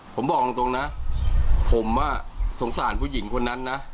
ผมบอกตรงนะผมสงสารผู้หญิงคนนั้นนะ